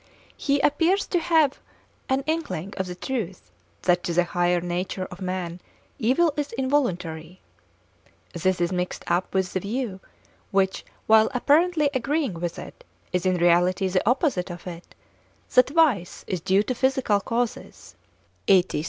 He appears to have an inkling of the truth that to the higher nature of man evil is involuntary. This is mixed up with the view which, while apparently agreeing with it, is in reality the opposite of it, that vice is due to physical causes.